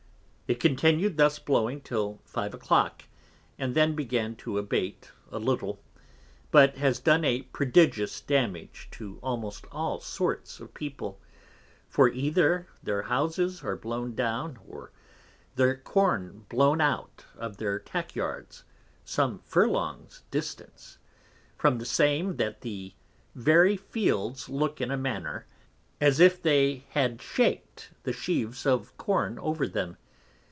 It continued thus blowing till 5 a Clock and then began to abate a little, but has done a Prodigious damage to almost all sorts of People, for either their Houses are blown down, or their Corn blown out of their tack yards (some Furlongs distance) from the same that the very fields look in a manner, as if they had shak'd the Sheaves of Corn over them.